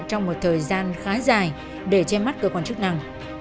trong một thời gian khá dài để che mắt cơ quan chức năng